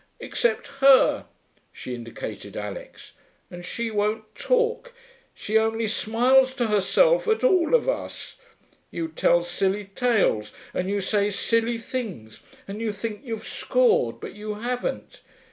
Except her' she indicated Alix 'and she won't talk; she only smiles to herself at all of us. You tell silly tales, and you say silly things, and you think you've scored but you haven't.